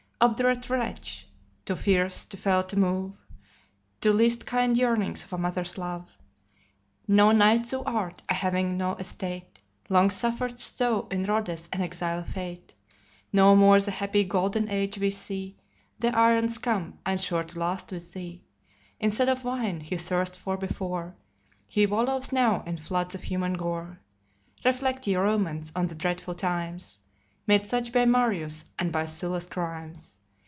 Obdurate wretch! too fierce, too fell to move The least kind yearnings of a mother's love! No knight thou art, as having no estate; Long suffered'st thou in Rhodes an exile's fate, No more the happy Golden Age we see; The Iron's come, and sure to last with thee. Instead of wine he thirsted for before, He wallows now in floods of human gore. Reflect, ye Romans, on the dreadful times, Made such by Marius, and by Sylla's crimes.